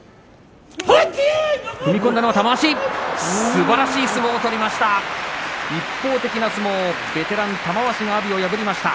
すばらしい相撲を取りました。